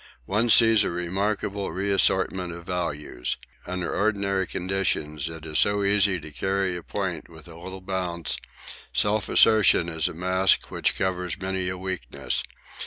One sees a remarkable reassortment of values. Under ordinary conditions it is so easy to carry a point with a little bounce; self assertion is a mask which covers many a weakness.